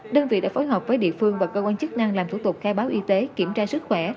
đơn vị đã phối hợp với địa phương và cơ quan chức năng làm thủ tục khai báo y tế kiểm tra sức khỏe